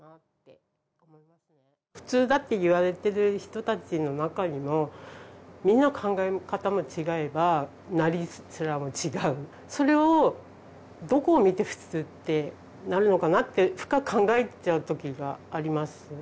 普通だって言われてる人たちの中にもみんな考え方も違えばなりつらも違うそれをどこを見て普通ってなるのかなって深く考えちゃうときがあります